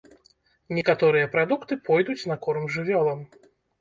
Некаторыя прадукты пойдуць на корм жывёлам.